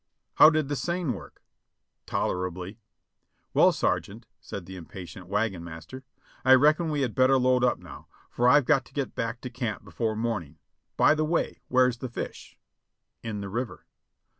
"How did the seine work?" "Tolerably." "Well, Sergeant." said the impatient wagon master, "I reckon we had better load up now, for I've got to get back to camp before morning. By the way, where's the fish ?" "In the river."